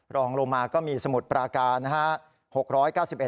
รองลงมาก็มีสมุทรปราการนะครับ